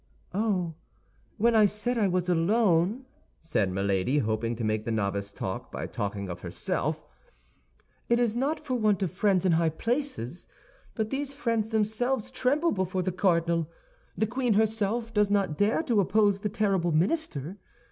"Oh, when I said I was alone," said Milady, hoping to make the novice talk by talking of herself, "it is not for want of friends in high places; but these friends themselves tremble before the cardinal. The queen herself does not dare to oppose the terrible minister.